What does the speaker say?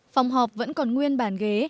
phòng họp vẫn còn nguyên bàn ghế